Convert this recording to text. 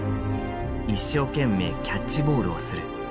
「一生けんめいキャッチボールをする」。